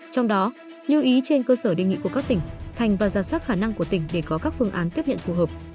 trong đó lưu ý trên cơ sở đề nghị của các tỉnh thành và giả soát khả năng của tỉnh để có các phương án tiếp nhận phù hợp